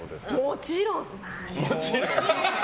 もちろん！